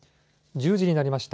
１０時になりました。